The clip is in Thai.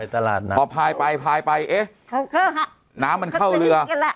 ไปตลาดน้ำพอพายไปพายไปเอ๊ะเข้าเข้าน้ำมันเข้าเรือ